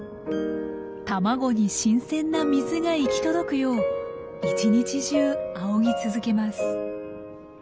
卵に新鮮な水が行き届くよう一日中あおぎ続けます。